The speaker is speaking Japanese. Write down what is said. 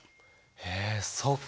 へえそっかあ。